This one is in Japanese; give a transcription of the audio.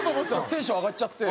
テンション上がっちゃって。